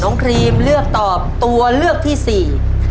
ครีมเลือกตอบตัวเลือกที่สี่